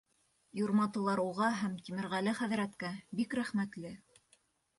Юрматылар уға һәм Тимерғәле хәҙрәткә бик рәхмәтле.